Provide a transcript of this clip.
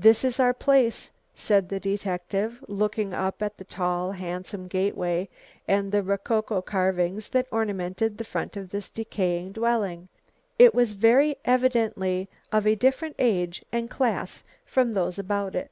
"This is our place," said the detective, looking up at the tall, handsome gateway and the rococo carvings that ornamented the front of this decaying dwelling. It was very evidently of a different age and class from those about it.